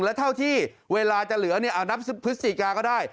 แล้วเท่าที่เวลาจะเหลือนับ๑๐พฤศจิกาก็ได้